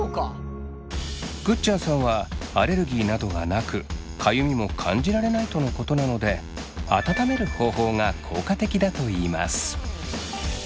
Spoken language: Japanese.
ぐっちゃんさんはアレルギーなどがなくかゆみも感じられないとのことなので「温める」方法が効果的だといいます。